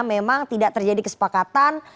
memang tidak terjadi kesepakatan